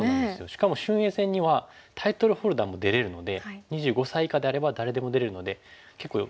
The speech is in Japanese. しかも俊英戦にはタイトルホルダーも出れるので２５歳以下であれば誰でも出れるので結構豪華メンバーが。